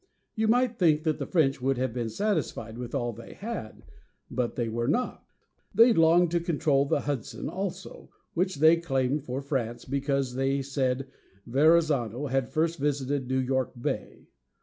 You might think that the French would have been satisfied with all they had, but they were not. They longed to control the Hudson also, which they claimed for France, because they said Verrazano had first visited New York Bay.